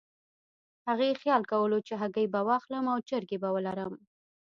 هغې خیال کولو چې هګۍ به واخلم او چرګې به ولرم.